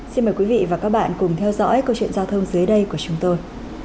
xin mời quý vị và các bạn cùng theo dõi câu chuyện giao thông dưới đây của chúng tôi